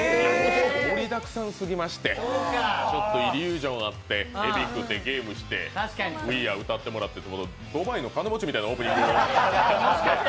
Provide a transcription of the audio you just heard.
盛りだくさんすぎましてイリュージョンあってえび食うて、ゲームして「ウィーアー！」歌ってもらってドバイの金持ちみたいなオープニングでした。